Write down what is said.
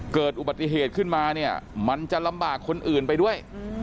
เกิดอุบัติเหตุขึ้นมาเนี่ยมันจะลำบากคนอื่นไปด้วย